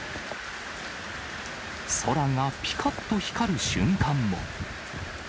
空がぴかっと光る瞬間も。